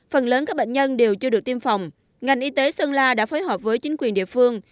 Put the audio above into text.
phần lớn các bệnh nhân đều chưa được tiêm phòng ngành y tế sơn la đã phối hợp với chính quyền địa phương